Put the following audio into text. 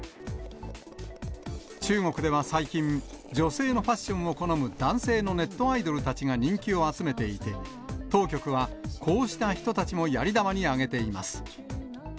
中国では最近、女性のファッションを好む男性のネットアイドルたちが人気を集めていて、当局は、こうした人たちもやり玉に挙げています。